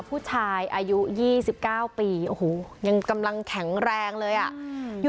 ผู้ชายอายุ๒๙ปีโอ้โหยังกำลังแข็งแรงเลยอ่ะอยู่